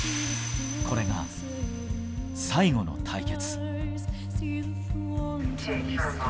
これが最後の対決。